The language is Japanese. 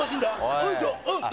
おいしょ何？